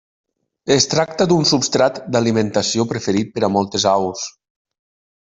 Es tracta d'un substrat d'alimentació preferit per a moltes aus.